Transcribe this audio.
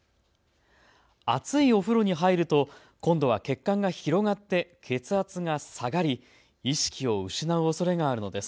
熱いお風呂に入ると今度は血管が広がって血圧が下がり意識を失うおそれがあるのです。